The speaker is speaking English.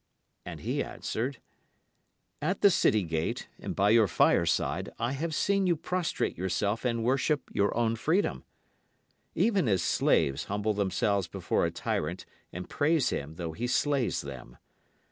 And he answered: At the city gate and by your fireside I have seen you prostrate yourself and worship your own freedom, Even as slaves humble themselves before a tyrant and praise him though he slays them.